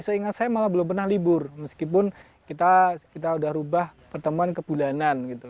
seingat saya malah belum pernah libur meskipun kita sudah rubah pertemuan kebulanan gitu